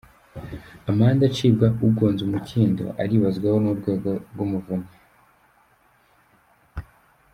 Amande acibwa ugonze umukindo aribazwaho n’Urwego rw’Umuvunyi